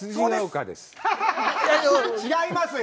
違いますよ。